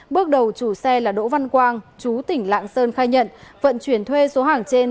bước đầu chủ xe là đỗ văn quang chú tỉnh lạng sơn khai nhận vận chuyển thuê số hàng trên